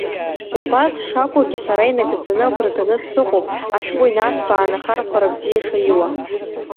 Убас шакәугьы, сара инагӡаны агәра ганы сыҟоуп ашәҟәы инарҭбааны ахархәара бзиа шаиуа.